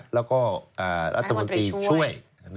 แล้วก็รัฐมนตรีช่วย